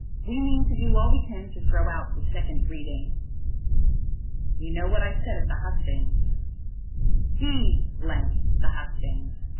We mean to do all we can to throw out the second reading." "You know what I said at the hustings." "D the hustings.